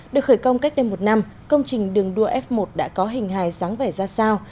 được khởi công cách đây một năm công trình đường đua f một đã có hình hài sáng vẻ ra sao